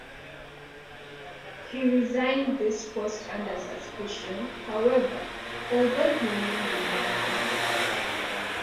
He resigned this post under suspicion, however, although he remained in London.